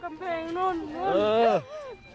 ข้างกำแพงนู้นนู้น